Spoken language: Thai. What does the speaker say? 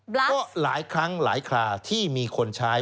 บลักษณ์ก็หลายครั้งหลายคลาที่มีคนใช้